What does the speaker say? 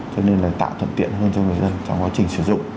cho nên là tạo thuận tiện hơn cho người dân trong quá trình sử dụng